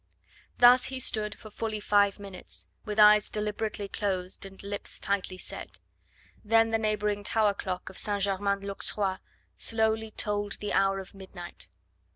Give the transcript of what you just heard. Thus he stood for fully five minutes, with eyes deliberately closed and lips tightly set. Then the neighbouring tower clock of St. Germain l'Auxerrois slowly tolled the hour of midnight.